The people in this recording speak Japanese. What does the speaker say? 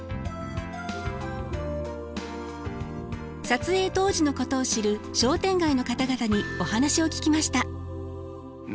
撮影当時のことを知る商店街の方々にお話を聞きました。